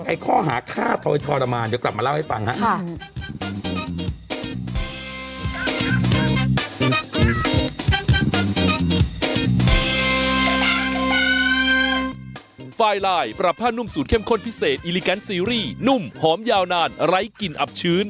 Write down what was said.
ไอ้ข้อหาฆ่าทรมานเดี๋ยวกลับมาเล่าให้ฟังฮะค่ะ